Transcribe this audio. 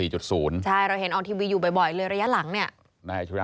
ใช่เราเห็นออกทีวีอยู่บ่อยเลยระยะหลังเนี่ย